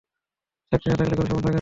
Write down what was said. চাকরী না থাকলে ঘরে সম্মান থাকে না।